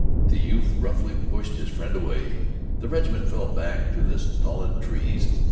The youth roughly pushed his friend away. The regiment fell back to the stolid trees.